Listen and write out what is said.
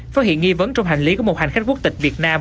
phát hiện nghi vấn trong hành lý của một hành khách quốc tịch việt nam